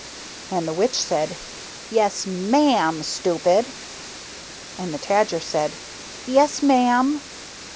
And the Witch said, " Yes, MA'AM, stupid." And the Tajer said, "Yes, MA'AM."